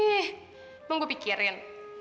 ih mau gue pikirin